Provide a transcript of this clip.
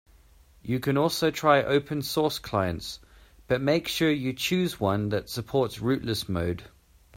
You can also try open source clients, but make sure to choose one that supports rootless mode.